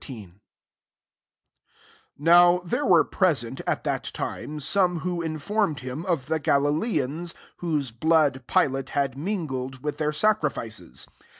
1 NOW there were present, at that time, some who mformed him of the Gali leans ; whose blood Pilate had mingled with their sacrifices.